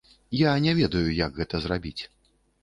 Я не ведаю, як гэта зрабіць.